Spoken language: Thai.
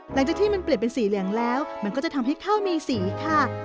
หลังจากที่มันเปลี่ยนเป็นสีเหลืองแล้วมันก็จะทำให้ข้าวมีสีค่ะ